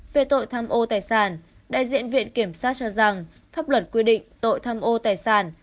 về tội tham ô tài sản đại diện viện kiểm sát cho rằng pháp luật quy định tội tham ô tài sản